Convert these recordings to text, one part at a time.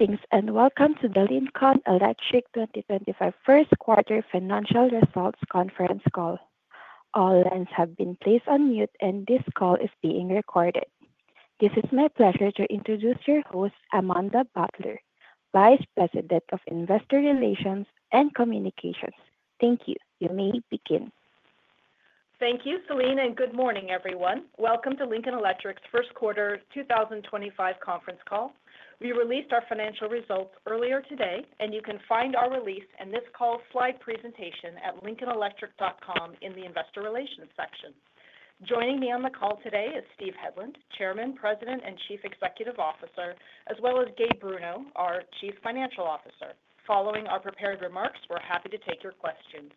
Greetings and welcome to the Lincoln Electric 2025 First Quarter Financial Results Conference Call. All lines have been placed on mute, and this call is being recorded. It is my pleasure to introduce your host, Amanda Butler, Vice President of Investor Relations and Communications. Thank you. You may begin. Thank you, Celina, and good morning, everyone. Welcome to Lincoln Electric's First Quarter 2025 Conference Call. We released our financial results earlier today, and you can find our release and this call's slide presentation at lincolnelectric.com in the Investor Relations section. Joining me on the call today is Steve Hedlund, Chairman, President, and Chief Executive Officer, as well as Gabe Bruno, our Chief Financial Officer. Following our prepared remarks, we're happy to take your questions.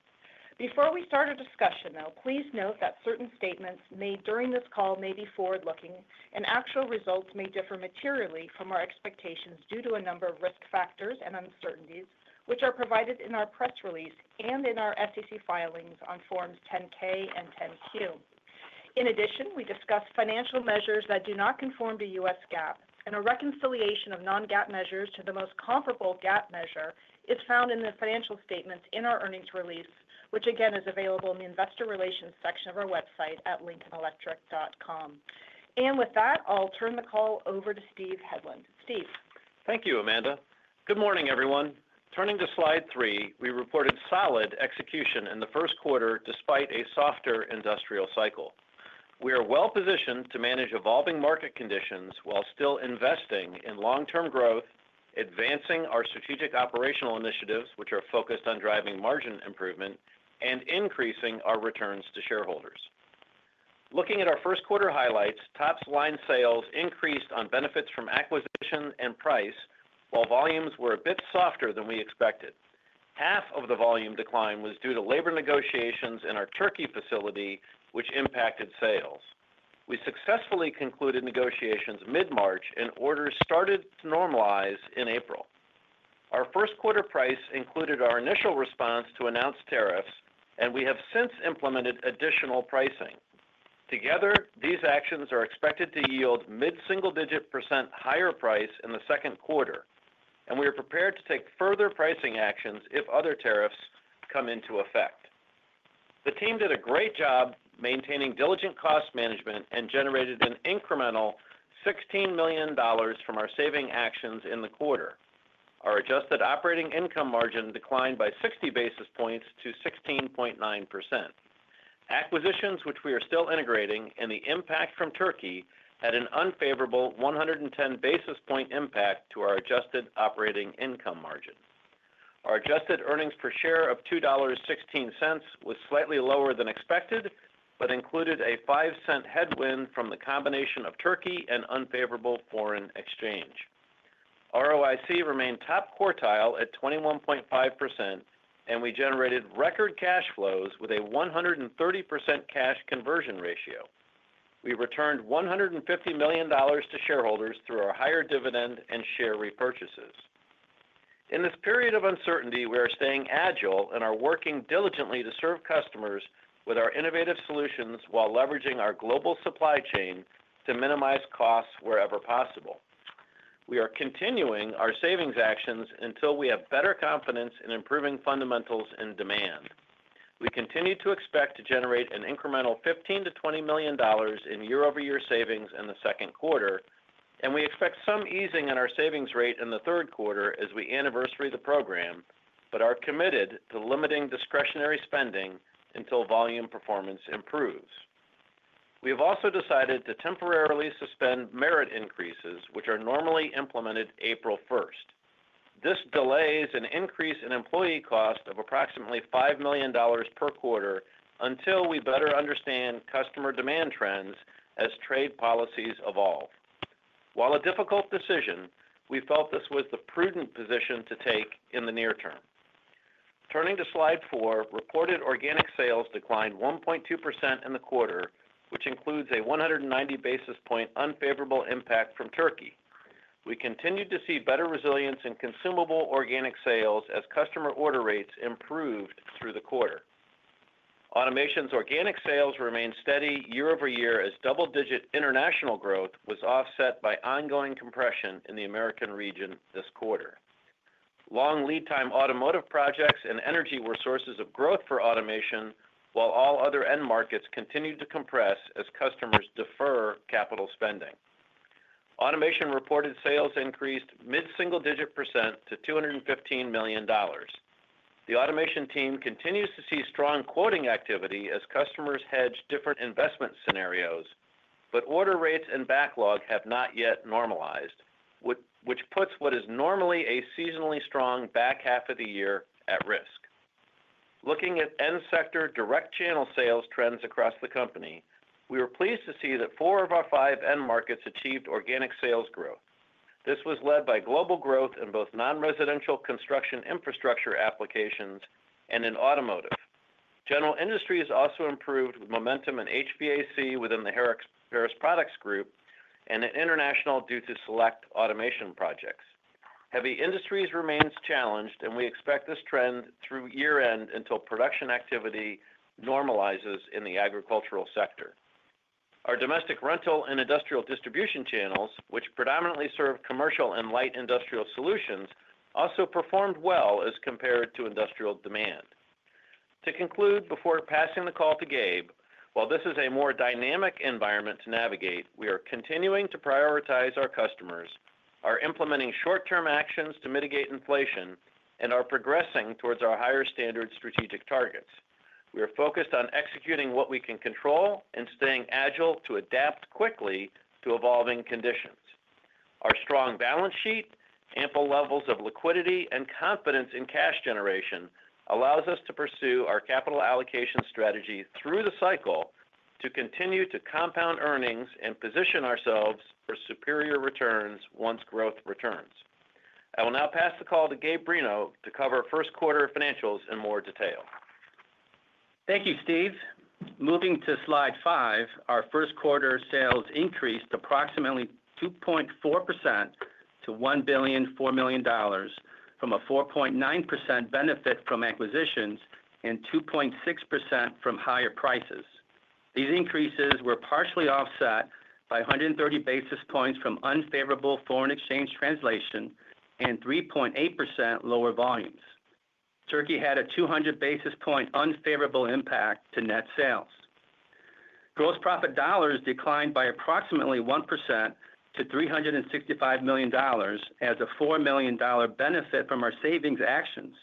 Before we start our discussion, though, please note that certain statements made during this call may be forward-looking, and actual results may differ materially from our expectations due to a number of risk factors and uncertainties, which are provided in our press release and in our SEC filings on Forms 10-K and 10-Q. In addition, we discuss financial measures that do not conform to U.S. GAAP, and a reconciliation of non-GAAP measures to the most comparable GAAP measure is found in the financial statements in our earnings release, which, again, is available in the Investor Relations section of our website at lincolnelectric.com. With that, I'll turn the call over to Steve Hedlund. Steve. Thank you, Amanda. Good morning, everyone. Turning to slide three, we reported solid execution in the first quarter despite a softer industrial cycle. We are well-positioned to manage evolving market conditions while still investing in long-term growth, advancing our strategic operational initiatives, which are focused on driving margin improvement and increasing our returns to shareholders. Looking at our first quarter highlights, top line sales increased on benefits from acquisition and price, while volumes were a bit softer than we expected. Half of the volume decline was due to labor negotiations in our Turkey facility, which impacted sales. We successfully concluded negotiations mid-March, and orders started to normalize in April. Our first quarter price included our initial response to announced tariffs, and we have since implemented additional pricing. Together, these actions are expected to yield mid-single-digit % higher price in the second quarter, and we are prepared to take further pricing actions if other tariffs come into effect. The team did a great job maintaining diligent cost management and generated an incremental $16 million from our saving actions in the quarter. Our adjusted operating income margin declined by 60 basis points to 16.9%. Acquisitions, which we are still integrating, and the impact from Turkey had an unfavorable 110 basis point impact to our adjusted operating income margin. Our adjusted earnings per share of $2.16 was slightly lower than expected but included a $0.05 headwind from the combination of Turkey and unfavorable foreign exchange. ROIC remained top quartile at 21.5%, and we generated record cash flows with a 130% cash conversion ratio. We returned $150 million to shareholders through our higher dividend and share repurchases. In this period of uncertainty, we are staying agile and are working diligently to serve customers with our innovative solutions while leveraging our global supply chain to minimize costs wherever possible. We are continuing our savings actions until we have better confidence in improving fundamentals and demand. We continue to expect to generate an incremental $15 million-$20 million in year-over-year savings in the second quarter, and we expect some easing in our savings rate in the third quarter as we anniversary the program, but are committed to limiting discretionary spending until volume performance improves. We have also decided to temporarily suspend merit increases, which are normally implemented April 1st. This delays an increase in employee cost of approximately $5 million per quarter until we better understand customer demand trends as trade policies evolve. While a difficult decision, we felt this was the prudent position to take in the near term. Turning to slide four, reported organic sales declined 1.2% in the quarter, which includes a 190 basis point unfavorable impact from Turkey. We continued to see better resilience in consumable organic sales as customer order rates improved through the quarter. Automation's organic sales remained steady year-over-year as double-digit international growth was offset by ongoing compression in the American region this quarter. Long lead time automotive projects and energy were sources of growth for automation, while all other end markets continued to compress as customers defer capital spending. Automation reported sales increased mid-single-digit % to $215 million. The Automation team continues to see strong quoting activity as customers hedge different investment scenarios, but order rates and backlog have not yet normalized, which puts what is normally a seasonally strong back half of the year at risk. Looking at end sector direct channel sales trends across the company, we were pleased to see that four of our five end markets achieved organic sales growth. This was led by global growth in both non-residential construction infrastructure applications and in automotive. General Industries also improved with momentum in HVAC within the Harris Products Group and in International due to select automation projects. Heavy Industries remains challenged, and we expect this trend through year-end until production activity normalizes in the agricultural sector. Our domestic rental and industrial distribution channels, which predominantly serve commercial and light industrial solutions, also performed well as compared to industrial demand. To conclude, before passing the call to Gabe, while this is a more dynamic environment to navigate, we are continuing to prioritize our customers, are implementing short-term actions to mitigate inflation, and are progressing towards our higher standard strategic targets. We are focused on executing what we can control and staying agile to adapt quickly to evolving conditions. Our strong balance sheet, ample levels of liquidity, and confidence in cash generation allows us to pursue our capital allocation strategy through the cycle to continue to compound earnings and position ourselves for superior returns once growth returns. I will now pass the call to Gabe Bruno to cover first quarter financials in more detail. Thank you, Steve. Moving to slide five, our first quarter sales increased approximately 2.4% to $1.4 billion from a 4.9% benefit from acquisitions and 2.6% from higher prices. These increases were partially offset by 130 basis points from unfavorable foreign exchange translation and 3.8% lower volumes. Turkey had a 200 basis point unfavorable impact to net sales. Gross profit dollars declined by approximately 1% to $365 million as a $4 million benefit from our savings actions,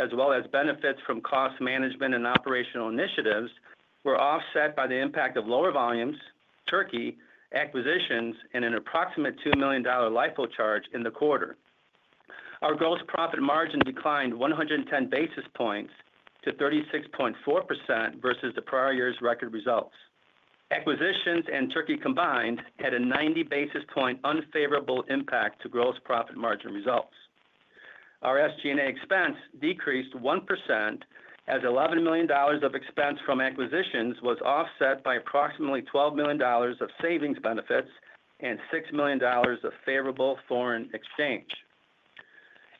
as well as benefits from cost management and operational initiatives were offset by the impact of lower volumes, Turkey, Acquisitions, and an approximate $2 million LIFO charge in the quarter. Our gross profit margin declined 110 basis points to 36.4% versus the prior year's record results. Acquisitions and Turkey combined had a 90 basis point unfavorable impact to gross profit margin results. Our SG&A expense decreased 1% as $11 million of expense from acquisitions was offset by approximately $12 million of savings benefits and $6 million of favorable foreign exchange.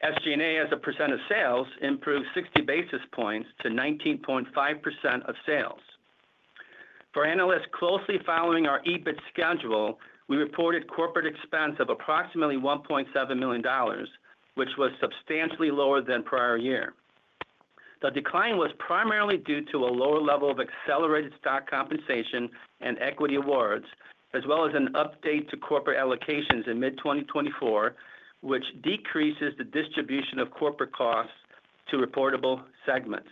SG&A as a percent of sales improved 60 basis points to 19.5% of sales. For analysts closely following our EBIT schedule, we reported corporate expense of approximately $1.7 million, which was substantially lower than prior year. The decline was primarily due to a lower level of accelerated stock compensation and equity awards, as well as an update to corporate allocations in mid-2024, which decreases the distribution of corporate costs to reportable segments.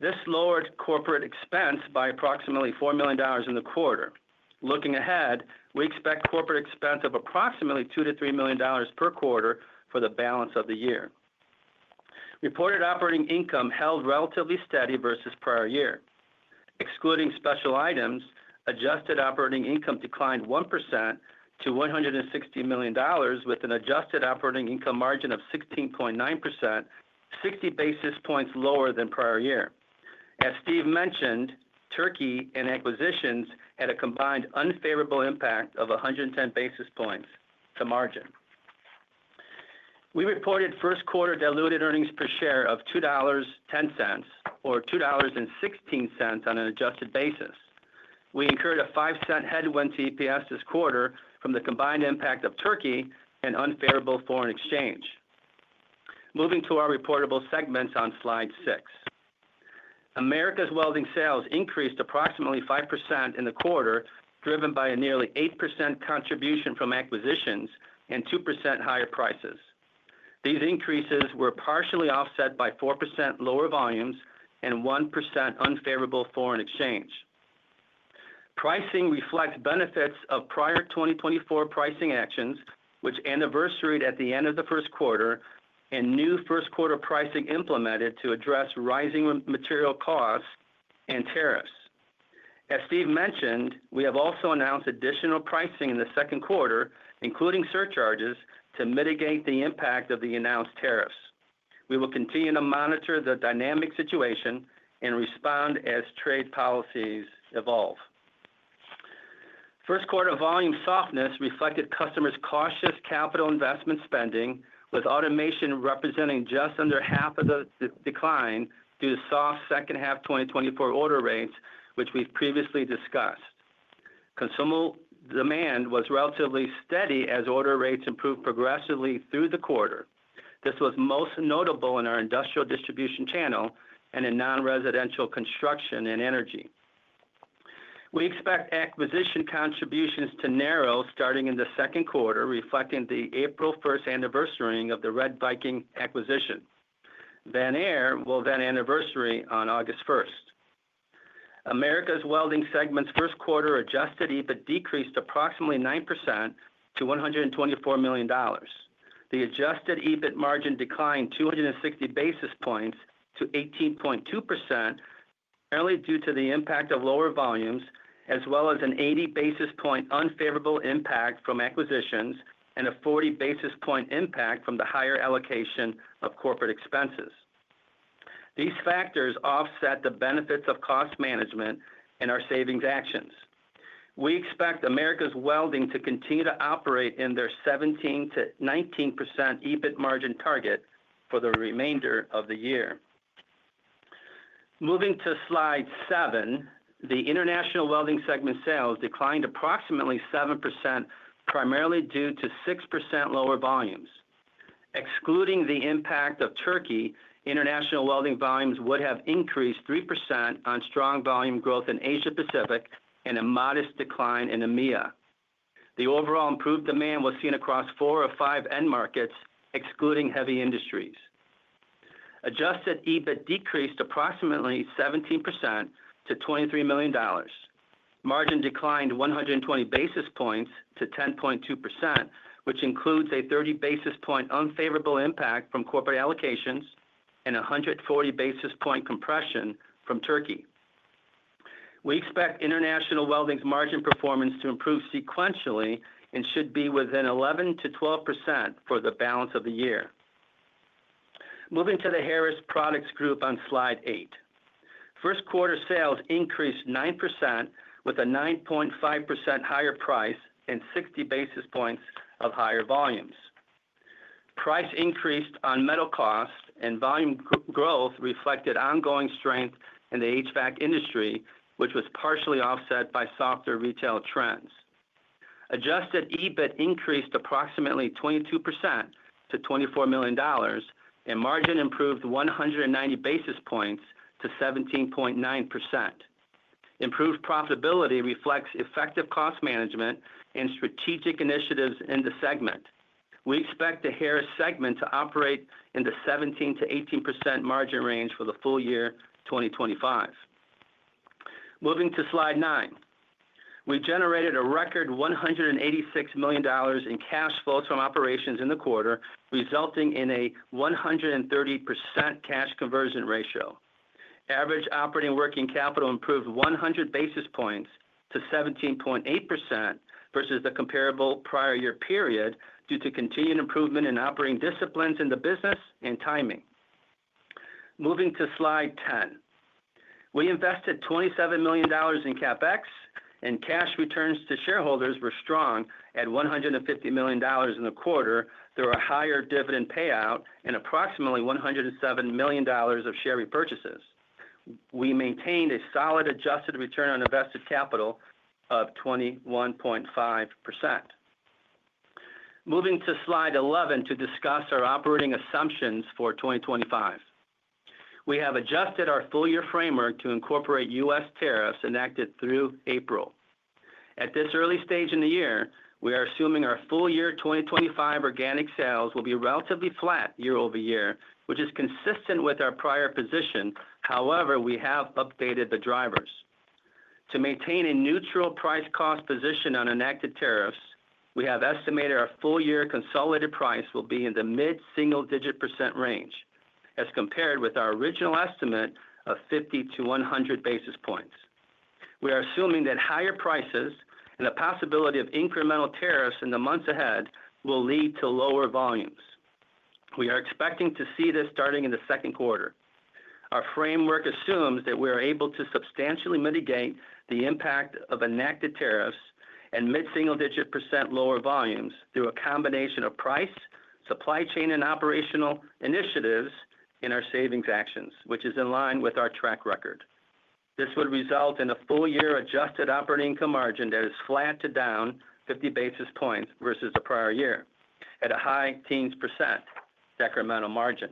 This lowered corporate expense by approximately $4 million in the quarter. Looking ahead, we expect corporate expense of approximately $2 million-$3 million per quarter for the balance of the year. Reported operating income held relatively steady versus prior year. Excluding special items, adjusted operating income declined 1% to $160 million, with an adjusted operating income margin of 16.9%, 60 basis points lower than prior year. As Steve mentioned, Turkey and Acquisitions had a combined unfavorable impact of 110 basis points to margin. We reported first quarter diluted earnings per share of $2.10 or $2.16 on an adjusted basis. We incurred a $0.05 headwind to EPS this quarter from the combined impact of Turkey and unfavorable foreign exchange. Moving to our reportable segments on slide six. Americas Welding sales increased approximately 5% in the quarter, driven by a nearly 8% contribution from acquisitions and 2% higher prices. These increases were partially offset by 4% lower volumes and 1% unfavorable foreign exchange. Pricing reflects benefits of prior 2024 pricing actions, which anniversaried at the end of the first quarter, and new first quarter pricing implemented to address rising material costs and tariffs. As Steve mentioned, we have also announced additional pricing in the second quarter, including surcharges, to mitigate the impact of the announced tariffs. We will continue to monitor the dynamic situation and respond as trade policies evolve. First quarter volume softness reflected customers' cautious capital investment spending, with automation representing just under half of the decline due to soft second half 2024 order rates, which we've previously discussed. Consumer demand was relatively steady as order rates improved progressively through the quarter. This was most notable in our industrial distribution channel and in non-residential construction and energy. We expect acquisition contributions to narrow starting in the second quarter, reflecting the April 1st anniversary of the RedViking acquisition. Vanair will then anniversary on August 1st. Americas Welding segment's first quarter adjusted EBIT decreased approximately 9% to $124 million. The adjusted EBIT margin declined 260 basis points to 18.2%, primarily due to the impact of lower volumes, as well as an 80 basis point unfavorable impact from acquisitions, and a 40 basis point impact from the higher allocation of corporate expenses. These factors offset the benefits of cost management and our savings actions. We expect Americas Welding to continue to operate in their 17-19% EBIT margin target for the remainder of the year. Moving to slide seven, the International Welding segment sales declined approximately 7%, primarily due to 6% lower volumes. Excluding the impact of Turkey, International Welding volumes would have increased 3% on strong volume growth in Asia Pacific and a modest decline in EMEA. The overall improved demand was seen across four or five end markets, excluding heavy industries. Adjusted EBIT decreased approximately 17% to $23 million. Margin declined 120 basis points to 10.2%, which includes a 30 basis point unfavorable impact from corporate allocations and 140 basis point compression from Turkey. We expect International Welding's margin performance to improve sequentially and should be within 11-12% for the balance of the year. Moving to the Harris Products Group on slide eight. First quarter sales increased 9% with a 9.5% higher price and 60 basis points of higher volumes. Price increased on metal costs and volume growth reflected ongoing strength in the HVAC industry, which was partially offset by softer retail trends. Adjusted EBIT increased approximately 22% to $24 million, and margin improved 190 basis points to 17.9%. Improved profitability reflects effective cost management and strategic initiatives in the segment. We expect the Harris segment to operate in the 17-18% margin range for the full year 2025. Moving to slide nine, we generated a record $186 million in cash flows from operations in the quarter, resulting in a 130% cash conversion ratio. Average operating working capital improved 100 basis points to 17.8% versus the comparable prior year period due to continued improvement in operating disciplines in the business and timing. Moving to slide 10, we invested $27 million in CapEx, and cash returns to shareholders were strong at $150 million in the quarter through a higher dividend payout and approximately $107 million of share repurchases. We maintained a solid adjusted return on invested capital of 21.5%. Moving to slide 11 to discuss our operating assumptions for 2025. We have adjusted our full year framework to incorporate U.S. tariffs enacted through April. At this early stage in the year, we are assuming our full year 2025 organic sales will be relatively flat year-over-year, which is consistent with our prior position. However, we have updated the drivers. To maintain a neutral price cost position on enacted tariffs, we have estimated our full year consolidated price will be in the mid-single digit % range as compared with our original estimate of 50-100 basis points. We are assuming that higher prices and the possibility of incremental tariffs in the months ahead will lead to lower volumes. We are expecting to see this starting in the second quarter. Our framework assumes that we are able to substantially mitigate the impact of enacted tariffs and mid-single digit % lower volumes through a combination of price, supply chain, and operational initiatives in our savings actions, which is in line with our track record. This would result in a full year adjusted operating income margin that is flat to down 50 basis points versus the prior year at a high teens % decremental margin.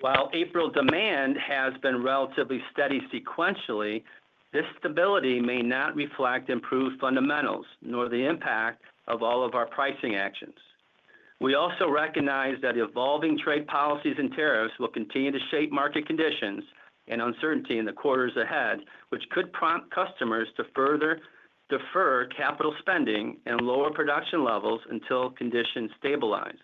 While April demand has been relatively steady sequentially, this stability may not reflect improved fundamentals nor the impact of all of our pricing actions. We also recognize that evolving trade policies and tariffs will continue to shape market conditions and uncertainty in the quarters ahead, which could prompt customers to further defer capital spending and lower production levels until conditions stabilize.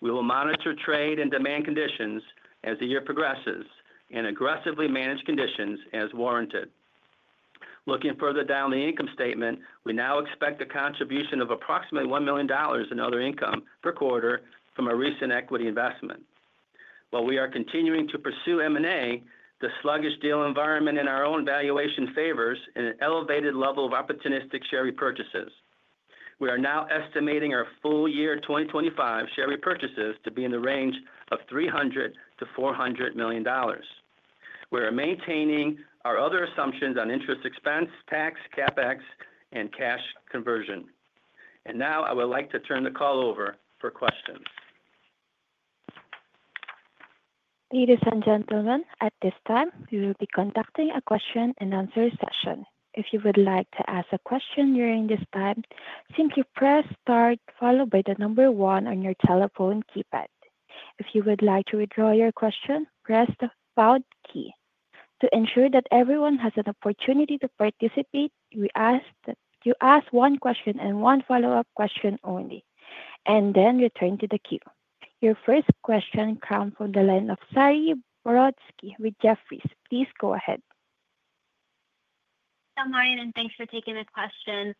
We will monitor trade and demand conditions as the year progresses and aggressively manage conditions as warranted. Looking further down the income statement, we now expect the contribution of approximately $1 million in other income per quarter from a recent equity investment. While we are continuing to pursue M&A, the sluggish deal environment in our own valuation favors an elevated level of opportunistic share repurchases. We are now estimating our full year 2025 share repurchases to be in the range of $300 million-$400 million. We are maintaining our other assumptions on interest expense, tax, CapEx, and cash conversion. I would like to turn the call over for questions. Ladies and gentlemen, at this time, we will be conducting a question and answer session. If you would like to ask a question during this time, simply press star, followed by the number one on your telephone keypad. If you would like to withdraw your question, press the pound key. To ensure that everyone has an opportunity to participate, you may ask one question and one follow-up question only, and then return to the queue. Your first question comes from the line of Saree Boroditsky with Jefferies. Please go ahead. Morning, and thanks for taking the question.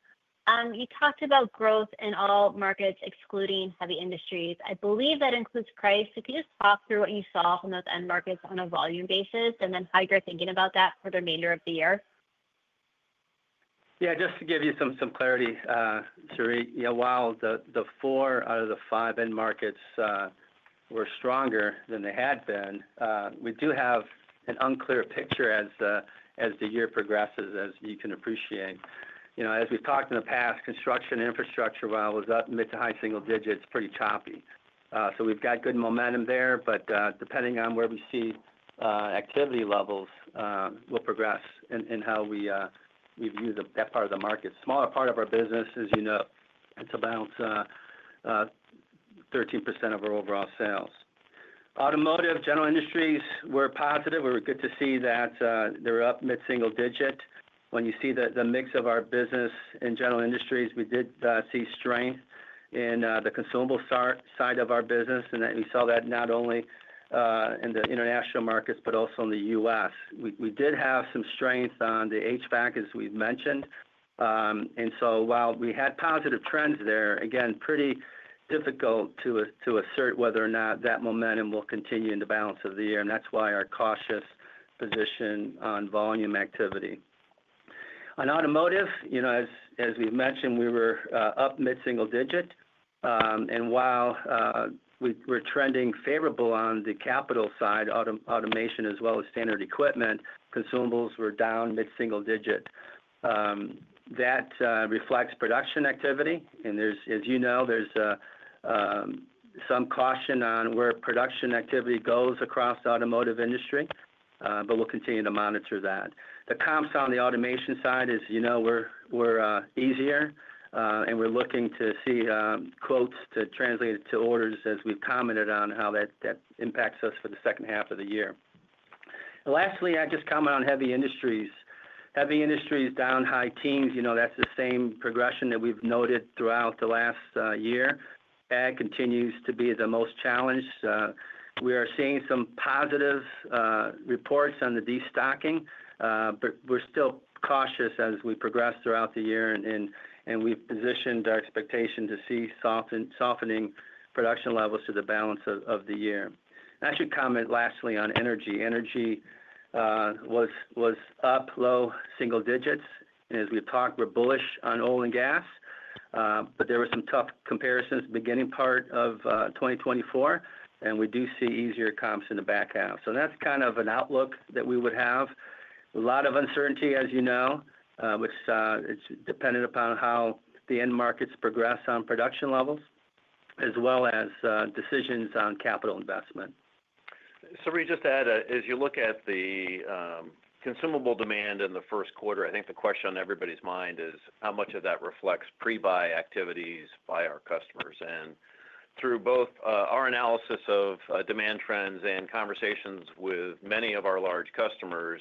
You talked about growth in all markets excluding heavy industries. I believe that includes price. Could you just talk through what you saw from those end markets on a volume basis and then how you're thinking about that for the remainder of the year? Yeah, just to give you some clarity, Saree, while the four out of the five end markets were stronger than they had been, we do have an unclear picture as the year progresses, as you can appreciate. As we've talked in the past, construction and infrastructure, while it was up mid to high single digits, pretty choppy. We have good momentum there, but depending on where we see activity levels, we will progress in how we view that part of the market. Smaller part of our business, as you know, it is about 13% of our overall sales. Automotive, General industries, we are positive. We were good to see that they were up mid-single digit. When you see the mix of our business and General industries, we did see strength in the consumable side of our business, and we saw that not only in the international markets but also in the U.S. We did have some strength on the HVAC, as we've mentioned. While we had positive trends there, again, pretty difficult to assert whether or not that momentum will continue in the balance of the year, and that's why our cautious position on volume activity. On Automotive, as we've mentioned, we were up mid-single digit, and while we're trending favorable on the capital side, automation as well as standard equipment, consumables were down mid-single digit. That reflects production activity, and as you know, there's some caution on where production activity goes across the Automotive industry, but we'll continue to monitor that. The comps on the automation side, as you know, were easier, and we're looking to see quotes translated to orders, as we've commented on how that impacts us for the second half of the year. Lastly, I just comment on heavy industries. Heavy industries down high teens, that's the same progression that we've noted throughout the last year. That continues to be the most challenged. We are seeing some positive reports on the destocking, but we're still cautious as we progress throughout the year, and we've positioned our expectation to see softening production levels through the balance of the year. I should comment lastly on energy. Energy was up low single digits, and as we've talked, we're bullish on oil and gas, but there were some tough comparisons in the beginning part of 2024, and we do see easier comps in the back half. That's kind of an outlook that we would have. A lot of uncertainty, as you know, which is dependent upon how the end markets progress on production levels, as well as decisions on capital investment. Saree, just to add, as you look at the consumable demand in the first quarter, I think the question on everybody's mind is how much of that reflects pre-buy activities by our customers. Through both our analysis of demand trends and conversations with many of our large customers,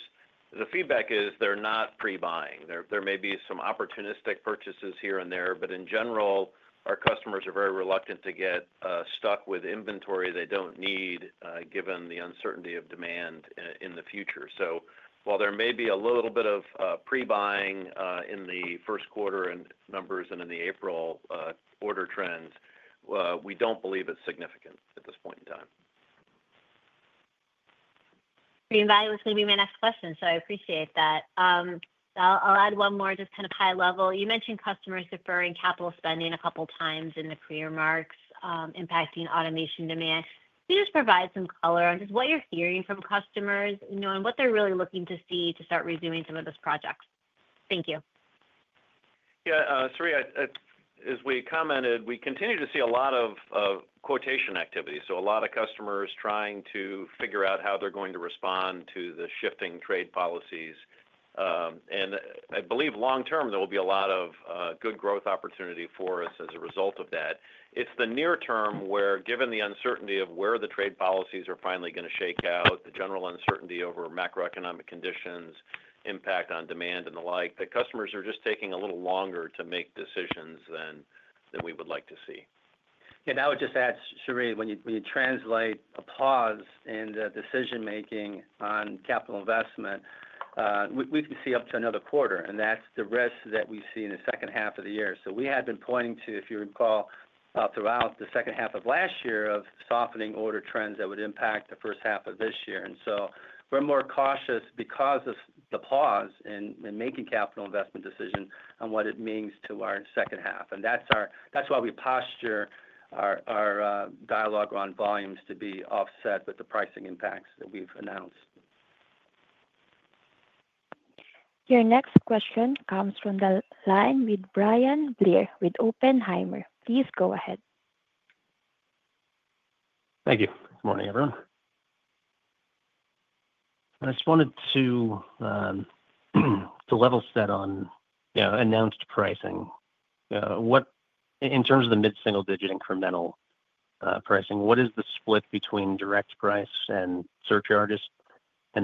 the feedback is they're not pre-buying. There may be some opportunistic purchases here and there, but in general, our customers are very reluctant to get stuck with inventory they do not need given the uncertainty of demand in the future. While there may be a little bit of pre-buying in the first quarter numbers and in the April order trends, we do not believe it is significant at this point in time. Being valuable is going to be my next question, so I appreciate that. I'll add one more just kind of high level. You mentioned customers deferring capital spending a couple of times in the pre-marks impacting automation demand. Can you just provide some color on just what you're hearing from customers and what they're really looking to see to start resuming some of those projects? Thank you. Yeah, Saree, as we commented, we continue to see a lot of quotation activity. A lot of customers are trying to figure out how they're going to respond to the shifting trade policies. I believe long term there will be a lot of good growth opportunity for us as a result of that. It's the near term where, given the uncertainty of where the trade policies are finally going to shake out, the general uncertainty over macroeconomic conditions, impact on demand, and the like, that customers are just taking a little longer to make decisions than we would like to see. Yeah, and I would just add, Sari, when you translate a pause in the decision-making on capital investment, we can see up to another quarter, and that's the risk that we see in the second half of the year. We had been pointing to, if you recall, throughout the second half of last year of softening order trends that would impact the first half of this year. We are more cautious because of the pause in making capital investment decisions on what it means to our second half. That's why we posture our dialogue on volumes to be offset with the pricing impacts that we've announced. Your next question comes from the line with Bryan Blair with Oppenheimer. Please go ahead. Thank you. Good morning, everyone. I just wanted to level set on announced pricing. In terms of the mid-single digit incremental pricing, what is the split between direct price and surcharges? If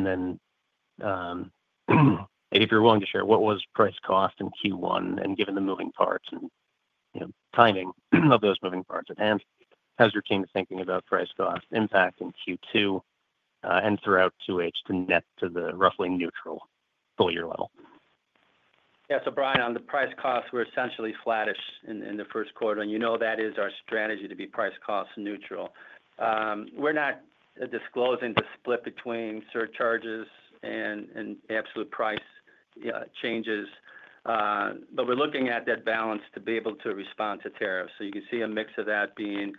you are willing to share, what was price cost in Q1 and given the moving parts and timing of those moving parts? How is your team thinking about price cost impact in Q2 and throughout 2H to net to the roughly neutral full year level? Yeah, so Brian, on the price cost, we're essentially flattish in the first quarter, and you know that is our strategy to be price cost neutral. We're not disclosing the split between surcharges and absolute price changes, but we're looking at that balance to be able to respond to tariffs. You can see a mix of that being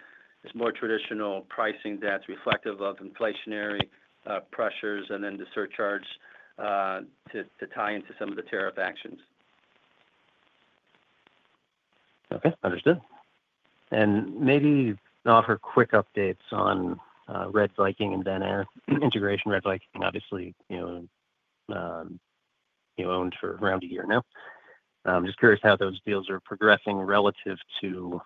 this more traditional pricing that's reflective of inflationary pressures and then the surcharge to tie into some of the tariff actions. Okay, understood. Maybe offer quick updates on RedViking and Vanair integration. RedViking obviously owned for around a year now. I'm just curious how those deals are progressing relative to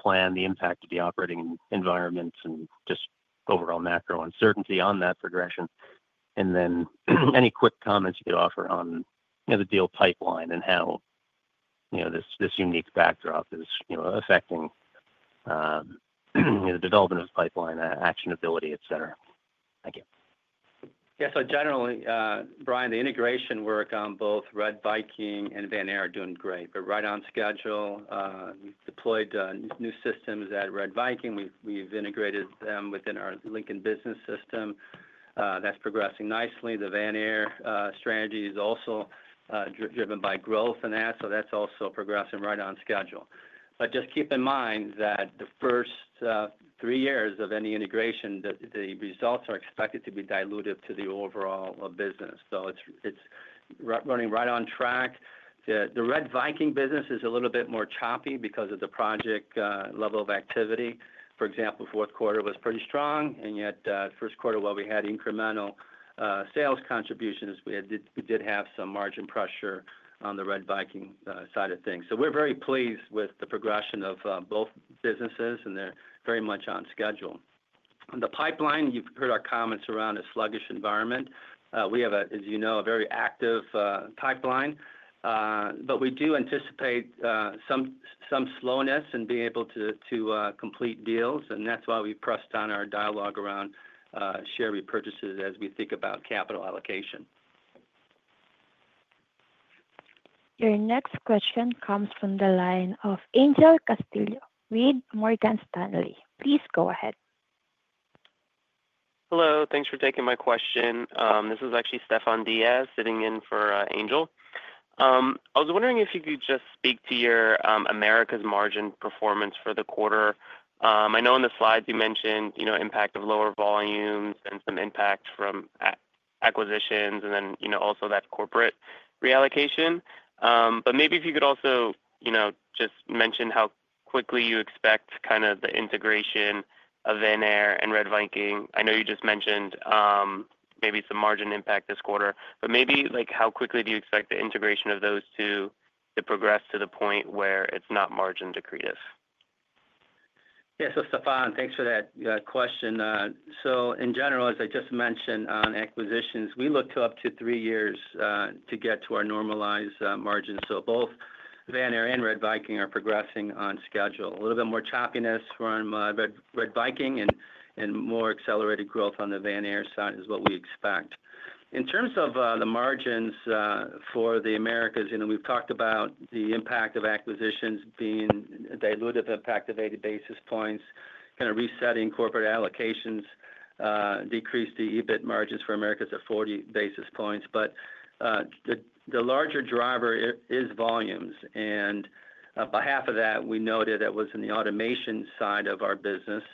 plan, the impact of the operating environments, and just overall macro uncertainty on that progression. Any quick comments you could offer on the deal pipeline and how this unique backdrop is affecting the development of the pipeline, actionability, etc. Thank you. Yeah, so generally, Bryan, the integration work on both RedViking and Vanair are doing great. We're right on schedule. We've deployed new systems at RedViking. We've integrated them within our Lincoln business system. That's progressing nicely. The Vanair strategy is also driven by growth in that, so that's also progressing right on schedule. Just keep in mind that the first three years of any integration, the results are expected to be diluted to the overall business. It's running right on track. The RedViking business is a little bit more choppy because of the project level of activity. For example, fourth quarter was pretty strong, and yet first quarter, while we had incremental sales contributions, we did have some margin pressure on the RedViking side of things. We're very pleased with the progression of both businesses, and they're very much on schedule. On the pipeline, you've heard our comments around a sluggish environment. We have, as you know, a very active pipeline, but we do anticipate some slowness in being able to complete deals, and that's why we've pressed on our dialogue around share repurchases as we think about capital allocation. Your next question comes from the line of Angel Castillo with Morgan Stanley. Please go ahead. Hello, thanks for taking my question. This is actually Stefan Diaz sitting in for Angel. I was wondering if you could just speak to your Americas margin performance for the quarter. I know in the slides you mentioned impact of lower volumes and some impact from acquisitions and then also that corporate reallocation. Maybe if you could also just mention how quickly you expect kind of the integration of Vanair and RedViking. I know you just mentioned maybe some margin impact this quarter, but maybe how quickly do you expect the integration of those two to progress to the point where it's not margin decreative? Yeah, so Stefan, thanks for that question. In general, as I just mentioned on acquisitions, we look to up to three years to get to our normalized margin. Both Vanair and RedViking are progressing on schedule. A little bit more choppiness from RedViking and more accelerated growth on the Vanair side is what we expect. In terms of the margins for the Americas, we've talked about the impact of acquisitions being diluted by 80 basis points, kind of resetting corporate allocations, decreased the EBIT margins for Americas at 40 basis points. The larger driver is volumes, and on behalf of that, we noted that was in the automation side of our business.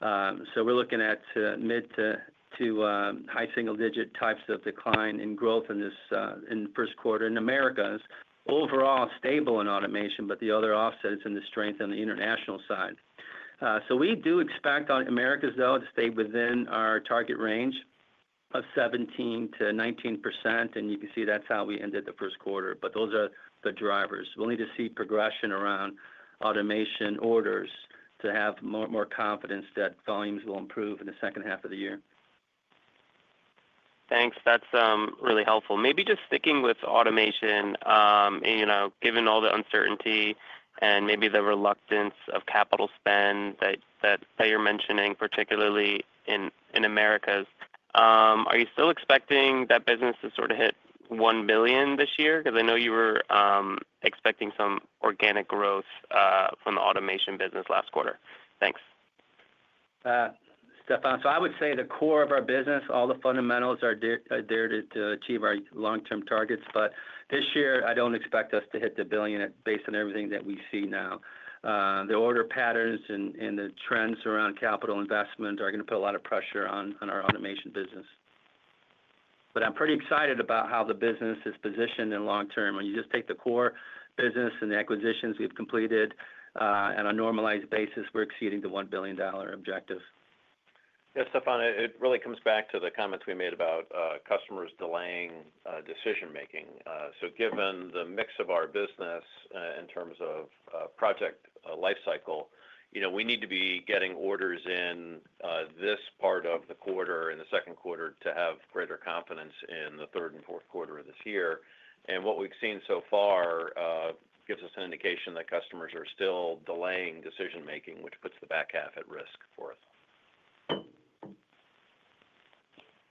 We're looking at mid to high single digit types of decline in growth in this first quarter in Americas. Overall, stable in automation, but the other offsets in the strength on the international side. We do expect on Americas, though, to stay within our target range of 17-19%, and you can see that's how we ended the first quarter. Those are the drivers. We'll need to see progression around automation orders to have more confidence that volumes will improve in the second half of the year. Thanks. That's really helpful. Maybe just sticking with automation, given all the uncertainty and maybe the reluctance of capital spend that you're mentioning, particularly in Americas, are you still expecting that business to sort of hit $1 billion this year? Because I know you were expecting some organic growth from the automation business last quarter. Thanks. Stefan, I would say the core of our business, all the fundamentals are there to achieve our long-term targets, but this year, I do not expect us to hit the billion based on everything that we see now. The order patterns and the trends around capital investment are going to put a lot of pressure on our automation business. I am pretty excited about how the business is positioned in long-term. When you just take the core business and the acquisitions we have completed, on a normalized basis, we are exceeding the $1 billion objective. Yeah, Stefan, it really comes back to the comments we made about customers delaying decision-making. Given the mix of our business in terms of project lifecycle, we need to be getting orders in this part of the quarter and the second quarter to have greater confidence in the third and fourth quarter of this year. What we've seen so far gives us an indication that customers are still delaying decision-making, which puts the back half at risk for us.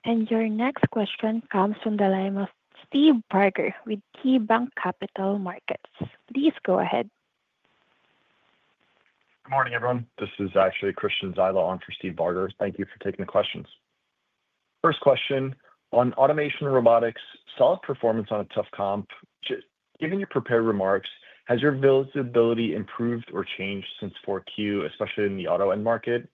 Your next question comes from the line of Steve Barger with KeyBanc Capital Markets. Please go ahead. Good morning, everyone. This is actually Christian Zyla for Steve Barger. Thank you for taking the questions. First question on automation robotics, solid performance on a tough comp. Given your prepared remarks, has your visibility improved or changed since 4Q, especially in the auto end market?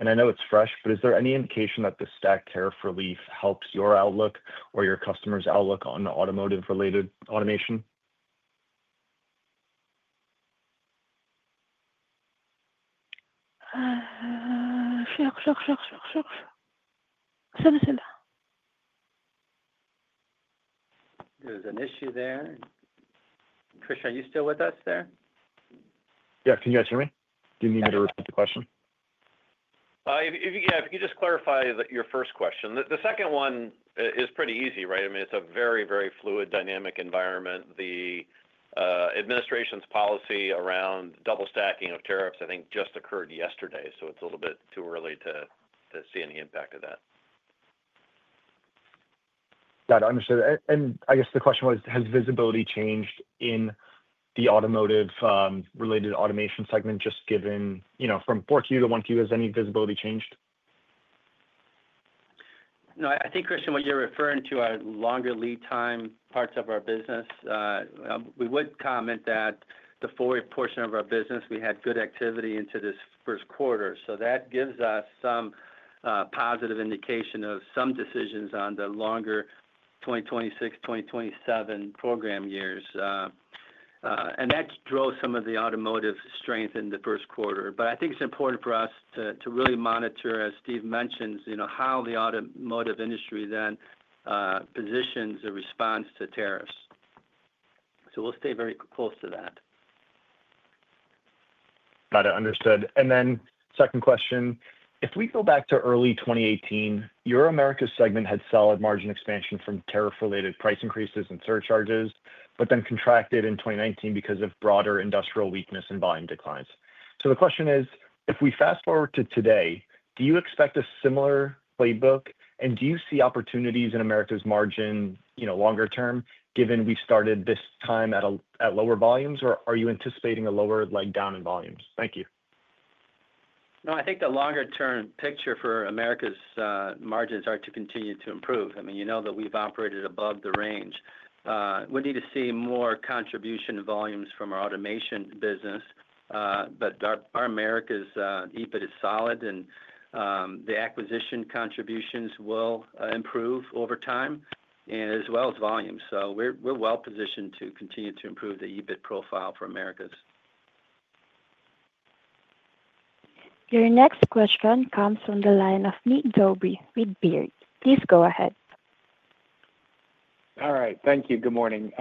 I know it's fresh, but is there any indication that the stacked tariff relief helps your outlook or your customers' outlook on automotive-related automation? There's an issue there. Christian, are you still with us there? Yeah, can you guys hear me? Do you need me to repeat the question? Yeah, if you could just clarify your first question. The second one is pretty easy, right? I mean, it's a very, very fluid, dynamic environment. The administration's policy around double stacking of tariffs, I think, just occurred yesterday, so it's a little bit too early to see any impact of that. Got it. Understood. I guess the question was, has visibility changed in the automotive-related automation segment just given from 4Q to 1Q? Has any visibility changed? No, I think, Christian, what you're referring to are longer lead time parts of our business. We would comment that the four-week portion of our business, we had good activity into this first quarter. That gives us some positive indication of some decisions on the longer 2026, 2027 program years. That drove some of the automotive strength in the first quarter. I think it's important for us to really monitor, as Steve mentioned, how the automotive industry then positions the response to tariffs. We will stay very close to that. Got it. Understood. If we go back to early 2018, your Americas segment had solid margin expansion from tariff-related price increases and surcharges, but then contracted in 2019 because of broader industrial weakness and volume declines. The question is, if we fast forward to today, do you expect a similar playbook, and do you see opportunities in Americas margin longer term, given we've started this time at lower volumes, or are you anticipating a lower leg down in volumes? Thank you. No, I think the longer-term picture for Americas' margins are to continue to improve. I mean, you know that we've operated above the range. We need to see more contribution volumes from our automation business, but our Americas EBIT is solid, and the acquisition contributions will improve over time, as well as volume. We are well positioned to continue to improve the EBIT profile for Americas. Your next question comes from the line of Mig Dobre with Baird. Please go ahead. All right. Thank you. Good morning.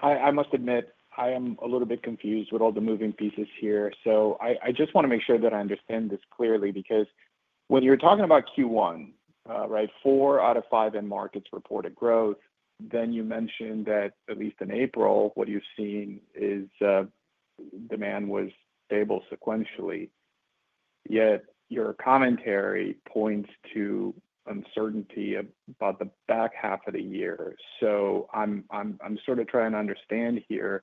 I must admit, I am a little bit confused with all the moving pieces here. I just want to make sure that I understand this clearly because when you're talking about Q1, right, four out of five end markets reported growth, then you mentioned that at least in April, what you've seen is demand was stable sequentially. Yet your commentary points to uncertainty about the back half of the year. I am sort of trying to understand here,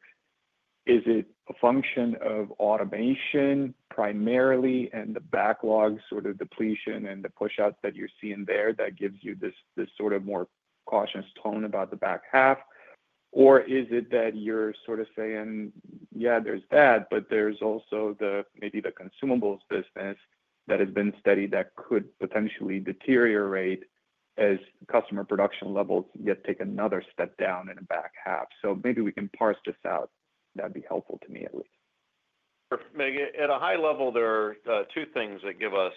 is it a function of automation primarily and the backlog sort of depletion and the push-out that you're seeing there that gives you this sort of more cautious tone about the back half? Is it that you're sort of saying, "Yeah, there's that, but there's also maybe the consumables business that has been steady that could potentially deteriorate as customer production levels yet take another step down in the back half?" Maybe we can parse this out. That'd be helpful to me at least. Mig, at a high level, there are two things that give us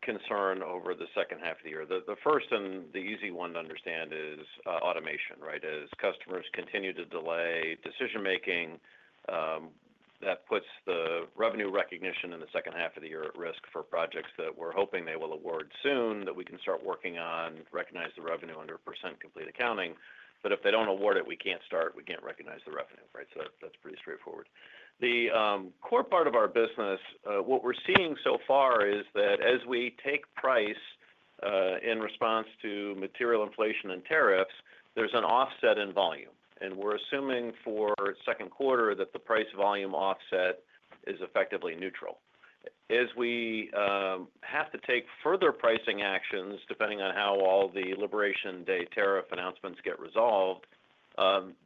concern over the second half of the year. The first and the easy one to understand is automation, right? As customers continue to delay decision-making, that puts the revenue recognition in the second half of the year at risk for projects that we're hoping they will award soon that we can start working on, recognize the revenue under percent complete accounting. If they don't award it, we can't start. We can't recognize the revenue, right? That's pretty straightforward. The core part of our business, what we're seeing so far is that as we take price in response to material inflation and tariffs, there's an offset in volume. We're assuming for second quarter that the price volume offset is effectively neutral. As we have to take further pricing actions depending on how all the Liberation Day tariff announcements get resolved,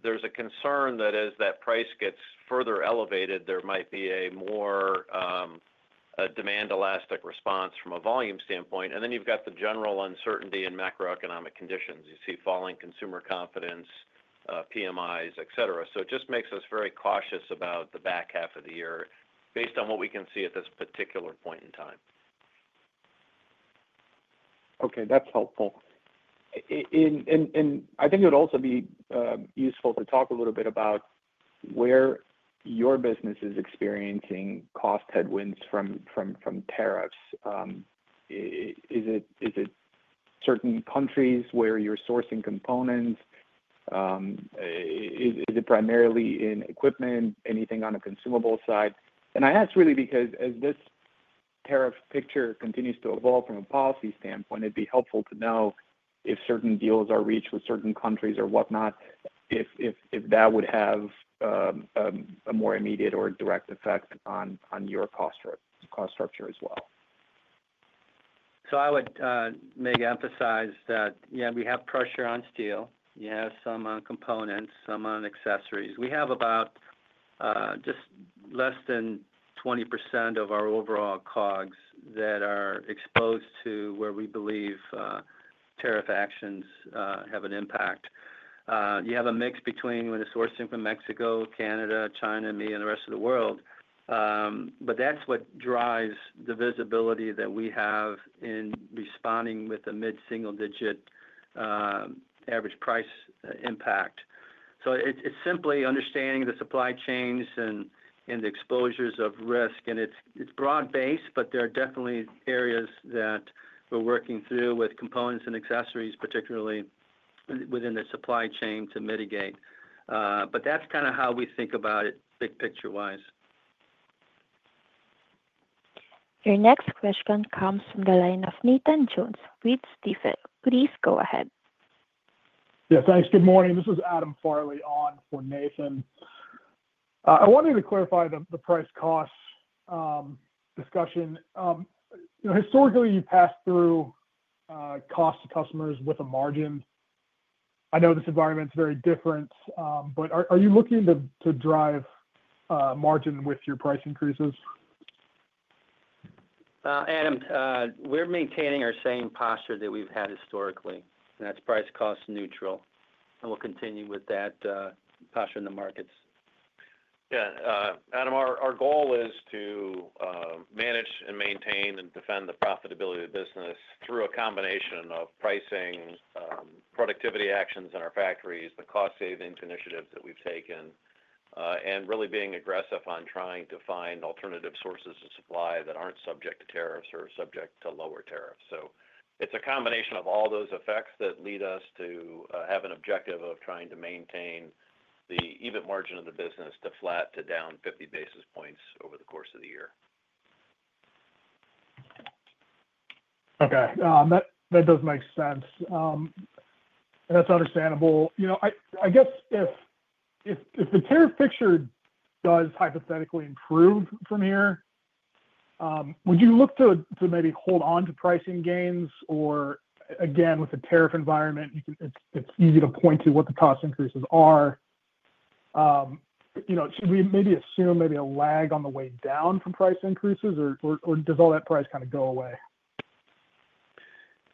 there's a concern that as that price gets further elevated, there might be a more demand-elastic response from a volume standpoint. You have the general uncertainty in macroeconomic conditions. You see falling consumer confidence, PMIs, etc. It just makes us very cautious about the back half of the year based on what we can see at this particular point in time. Okay. That's helpful. I think it would also be useful to talk a little bit about where your business is experiencing cost headwinds from tariffs. Is it certain countries where you're sourcing components? Is it primarily in equipment, anything on the consumable side? I ask really because as this tariff picture continues to evolve from a policy standpoint, it'd be helpful to know if certain deals are reached with certain countries or whatnot, if that would have a more immediate or direct effect on your cost structure as well. I would, Mig, emphasize that, yeah, we have pressure on steel. You have some on components, some on accessories. We have about just less than 20% of our overall COGS that are exposed to where we believe tariff actions have an impact. You have a mix between when it's sourcing from Mexico, Canada, China, EMEA, and the rest of the world. That's what drives the visibility that we have in responding with a mid-single digit average price impact. It's simply understanding the supply chains and the exposures of risk. It's broad-based, but there are definitely areas that we're working through with components and accessories, particularly within the supply chain to mitigate. That's kind of how we think about it big picture-wise. Your next question comes from the line of Nathan Jones with Stifel. Please go ahead. Yeah. Thanks. Good morning. This is Adam Farley on for Nathan. I wanted to clarify the price-cost discussion. Historically, you passed through cost to customers with a margin. I know this environment's very different, but are you looking to drive margin with your price increases? Adam, we're maintaining our same posture that we've had historically, and that's price-cost neutral. We'll continue with that posture in the markets. Yeah. Adam, our goal is to manage and maintain and defend the profitability of the business through a combination of pricing, productivity actions in our factories, the cost-saving initiatives that we've taken, and really being aggressive on trying to find alternative sources of supply that aren't subject to tariffs or subject to lower tariffs. It is a combination of all those effects that lead us to have an objective of trying to maintain the EBIT margin of the business to flat to down 50 basis points over the course of the year. Okay. That does make sense. That's understandable. I guess if the tariff picture does hypothetically improve from here, would you look to maybe hold on to pricing gains? Or again, with the tariff environment, it's easy to point to what the cost increases are. Should we maybe assume maybe a lag on the way down from price increases, or does all that price kind of go away?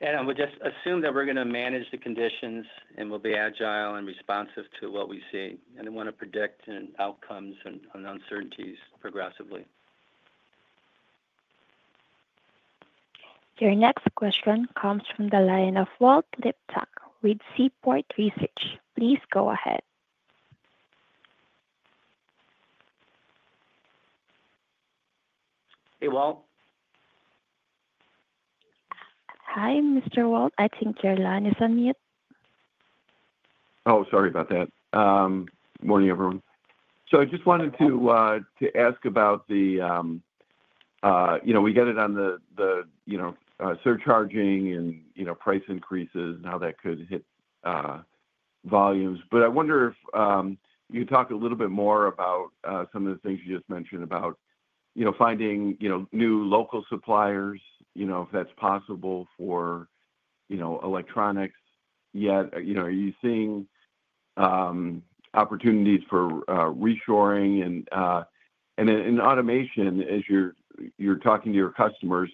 Adam, we'll just assume that we're going to manage the conditions, and we'll be agile and responsive to what we see. I want to predict outcomes and uncertainties progressively. Your next question comes from the line of Walt Liptak with Seaport Research. Please go ahead. Hey, Walt. Hi, Mr. Walt. I think your line is on mute. Oh, sorry about that. Morning, everyone. I just wanted to ask about the we get it on the surcharging and price increases and how that could hit volumes. I wonder if you could talk a little bit more about some of the things you just mentioned about finding new local suppliers, if that's possible for electronics yet. Are you seeing opportunities for reshoring? In automation, as you're talking to your customers,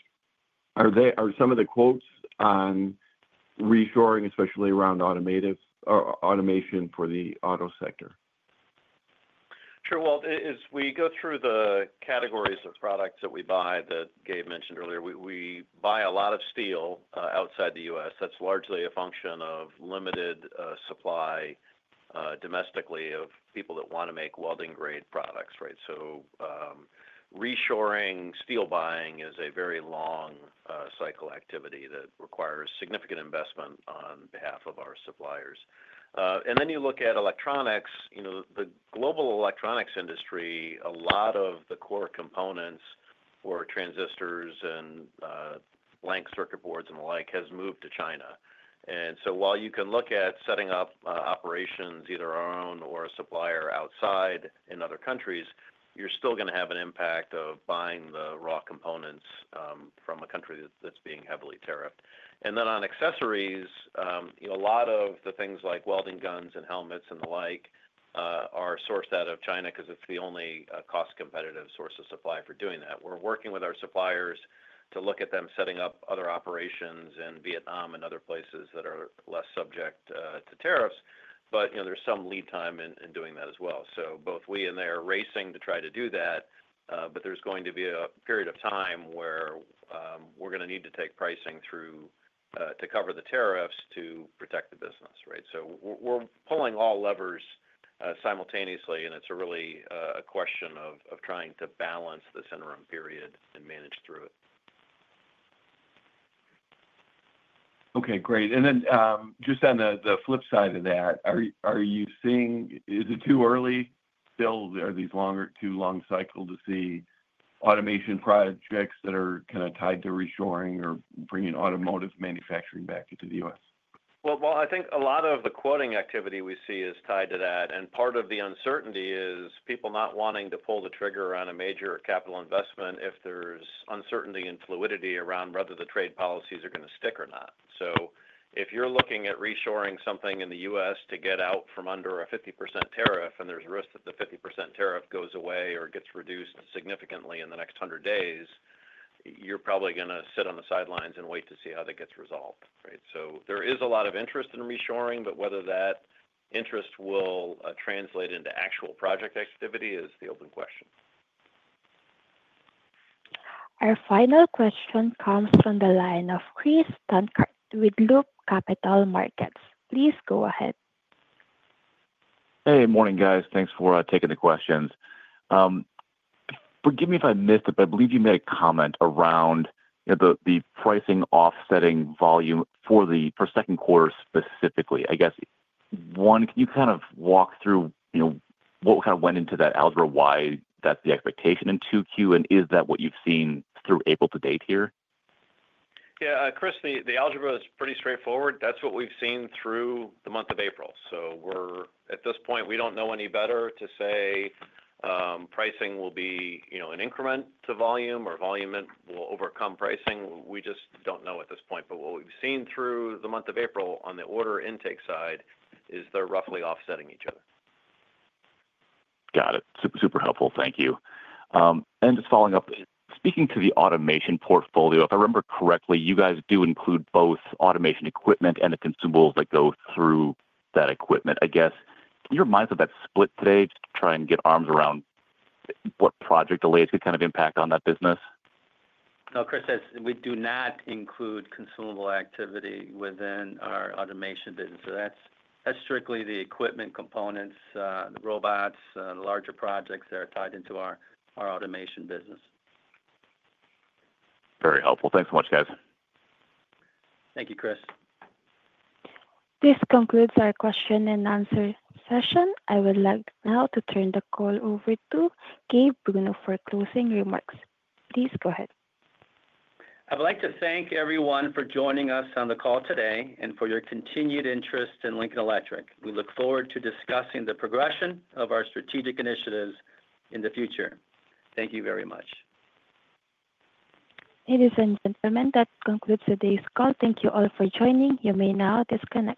are some of the quotes on reshoring, especially around automation for the auto sector? Sure. As we go through the categories of products that we buy that Gabe mentioned earlier, we buy a lot of steel outside the U.S. That's largely a function of limited supply domestically of people that want to make welding-grade products, right? Reshoring, steel buying is a very long cycle activity that requires significant investment on behalf of our suppliers. You look at electronics, the global electronics industry, a lot of the core components or transistors and blank circuit boards and the like has moved to China. While you can look at setting up operations, either our own or a supplier outside in other countries, you're still going to have an impact of buying the raw components from a country that's being heavily tariffed. On accessories, a lot of the things like welding guns and helmets and the like are sourced out of China because it is the only cost-competitive source of supply for doing that. We are working with our suppliers to look at them setting up other operations in Vietnam and other places that are less subject to tariffs. There is some lead time in doing that as well. Both we and they are racing to try to do that, but there is going to be a period of time where we are going to need to take pricing through to cover the tariffs to protect the business, right? We are pulling all levers simultaneously, and it is really a question of trying to balance this interim period and manage through it. Okay. Great. And then just on the flip side of that, are you seeing, is it too early still? Are these too long-cycle to see automation projects that are kind of tied to reshoring or bringing automotive manufacturing back into the U.S.? I think a lot of the quoting activity we see is tied to that. Part of the uncertainty is people not wanting to pull the trigger on a major capital investment if there is uncertainty and fluidity around whether the trade policies are going to stick or not. If you are looking at reshoring something in the US to get out from under a 50% tariff, and there is a risk that the 50% tariff goes away or gets reduced significantly in the next 100 days, you are probably going to sit on the sidelines and wait to see how that gets resolved, right? There is a lot of interest in reshoring, but whether that interest will translate into actual project activity is the open question. Our final question comes from the line of Chris Dankert with Loop Capital Markets. Please go ahead. Hey, morning, guys. Thanks for taking the questions. Forgive me if I missed it, but I believe you made a comment around the pricing offsetting volume for the second quarter specifically. I guess, one, can you kind of walk through what kind of went into that algebra why that's the expectation in Q2? Is that what you've seen through April to date here? Yeah. Chris, the algebra is pretty straightforward. That is what we have seen through the month of April. At this point, we do not know any better to say pricing will be an increment to volume or volume will overcome pricing. We just do not know at this point. What we have seen through the month of April on the order intake side is they are roughly offsetting each other. Got it. Super helpful. Thank you. Just following up, speaking to the automation portfolio, if I remember correctly, you guys do include both automation equipment and the consumables that go through that equipment. I guess, can you remind us of that split today to try and get arms around what project delays could kind of impact on that business? No, Chris, we do not include consumable activity within our automation business. That is strictly the equipment components, the robots, the larger projects that are tied into our automation business. Very helpful. Thanks so much, guys. Thank you, Chris. This concludes our question and answer session. I would like now to turn the call over to Gabe Bruno for closing remarks. Please go ahead. I'd like to thank everyone for joining us on the call today and for your continued interest in Lincoln Electric. We look forward to discussing the progression of our strategic initiatives in the future. Thank you very much. Ladies and gentlemen, that concludes today's call. Thank you all for joining. You may now disconnect.